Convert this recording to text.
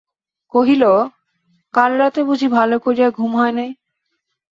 কহিল, কাল রাত্রে বুঝি ভালো করিয়া ঘুম হয় নাই।